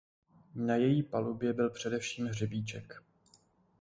Na její palubě byl především hřebíček.